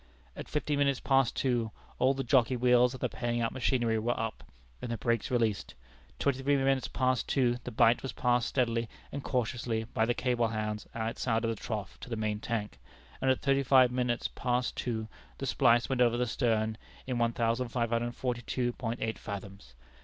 At fifteen minutes past two all the jockey wheels of the paying out machinery were up, and the brakes released. Twenty three minutes past two the bight was passed steadily and cautiously by the cable hands outside of the trough to the main tank, and at thirty five minutes past two the splice went over the stern in 1542.8 fathoms.